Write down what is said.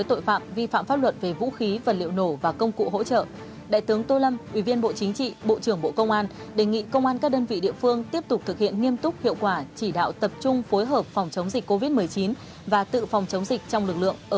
quyết tâm đẩy lùi dịch covid một mươi chín bộ trưởng tô lâm vừa ra mệnh lệnh số hai yêu cầu thủ trưởng công an các đơn vị địa phương triển khai thực hiện các biện pháp cấp bách phòng chống dịch trong toàn lực lượng